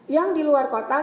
yang di luar kotak